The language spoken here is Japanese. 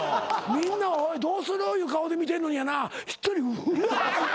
みんな「どうする？」いう顔で見てんのにやな一人うわ！